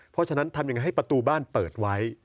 เพราะฉะนั้นทำยังไงให้ประตูบ้านเปิดไว้